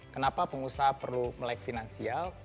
kenapa pengusaha perlu melek finansial